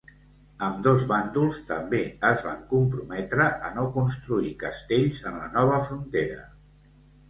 Ambdós bàndols també es van comprometre a no construir castells en la nova frontera.